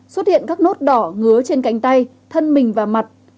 xuất hiện các nốt đỏ ngứa trên cánh tay thân mình và mặt